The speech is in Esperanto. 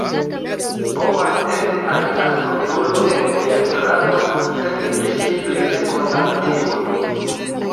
Povas esti alia surdulo en via strato, sed vi simple ne konas tiun.